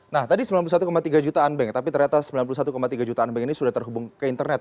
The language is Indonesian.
nah tadi sembilan puluh satu tiga juta unbank tapi ternyata sembilan puluh satu tiga juta unbank ini sudah terhubung ke internet